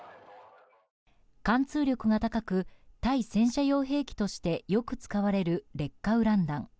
貫通力が高く対戦車用兵器としてよく使われる劣化ウラン弾。